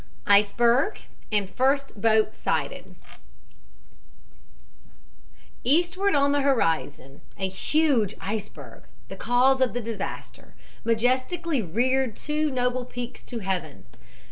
ICEBERG AND FIRST BOAT SIGHTED "Eastward on the horizon a huge iceberg, the cause of the disaster, majestically reared two noble peaks to heaven.